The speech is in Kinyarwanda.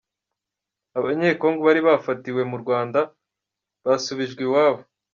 Abanyekongo bari bafatiwe mu Rwanda basubijwe iwabo